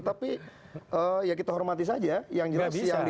tapi ya kita hormati saja yang jelas